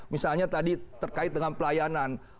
misalnya tadi terkait dengan pelayanan